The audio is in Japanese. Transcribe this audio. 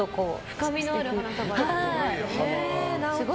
深みのある花束ですね。